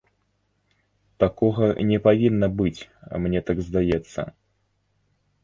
Такога не павінна быць, мне так здаецца.